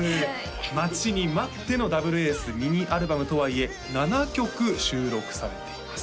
待ちに待ってのＤｏｕｂｌｅＡｃｅミニアルバムとはいえ７曲収録されています